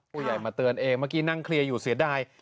มาเตือนเองเมื่อกี้นั่งเคลียร์อยู่เสียดาย